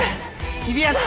日比谷だ。